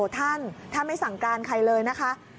ท่านท่านไม่สั่งการใครเลยนะคะ